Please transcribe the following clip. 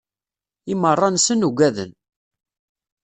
I meṛṛa-nsen ugaden.